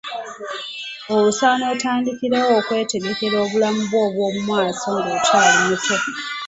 Osaana otandikirewo okwetegekera obulamu bwo obwo mu maaso ng'okyali muto.